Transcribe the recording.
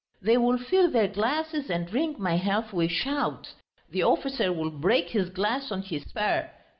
They will fill their glasses and drink my health with shouts. The officer will break his glass on his spur.